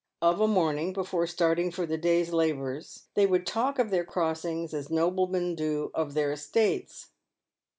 Of a morning before starting for the day's labours, they would talk of their crossings as noblemen do of their estates.